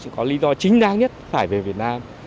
có lý do chính đáng nhất phải về việt nam